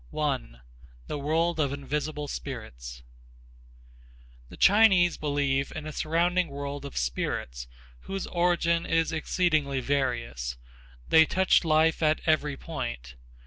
1. The World of Invisible Spirits The Chinese believe in a surrounding world of spirits, whose origin is exceedingly various. They touch life at every point.